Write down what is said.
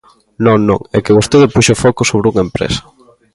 ¡Non, non, é que vostede puxo o foco sobre unha empresa!